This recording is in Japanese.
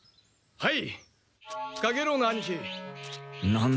はい。